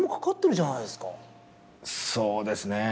そうですねぇ。